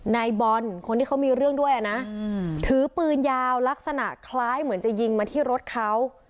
นายบอลคนที่เขามีเรื่องด้วยนะถือปืนยาวลักษณะคล้ายเหมือนจะยิงมาที่รถเขา